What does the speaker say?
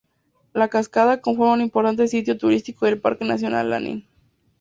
La cascada conforma un importante sitio turístico del Parque Nacional Lanín.